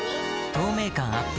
透明感アップ